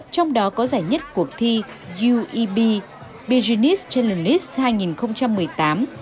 trong đó có giải nhất cuộc thi ueb business channelist hai nghìn một mươi tám